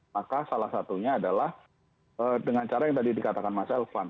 maka salah satunya adalah dengan cara yang tadi dikatakan mas elvan